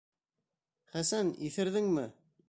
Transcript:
Хәсән, иҫерҙеңме?